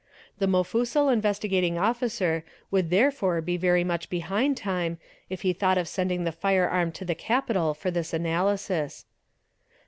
The mofussil Investi gating Officer would therefore be very much behind time if he thought of sending the firearm to the capital for this analysis.